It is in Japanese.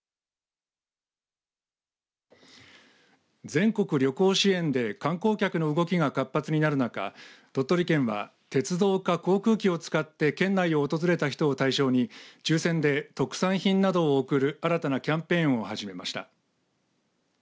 全国旅行支援で観光客の動きが活発になる中鳥取県は鉄道か航空機を使って県内を訪れた人を対象に抽せんで特産品などを贈る新たなキャンペーンを始めました。